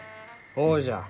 ほうじゃ。